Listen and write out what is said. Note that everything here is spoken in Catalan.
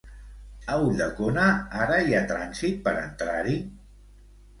A Ulldecona ara hi ha trànsit per entrar-hi?